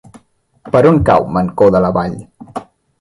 Per on cau Mancor de la Vall?